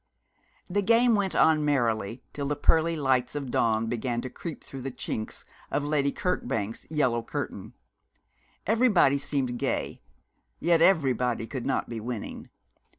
The game went on merrily till the pearly lights of dawn began to creep through the chinks of Lady Kirkbank's yellow curtain. Everybody seemed gay, yet everybody could not be winning.